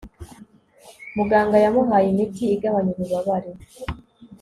muganga yamuhaye imiti igabanya ububabare